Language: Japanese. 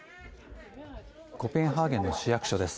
コペンハーゲンの市役所です。